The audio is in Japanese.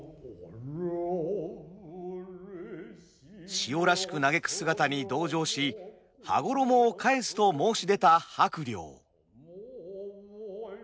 しおらしく嘆く姿に同情し羽衣を返すと申し出た伯了。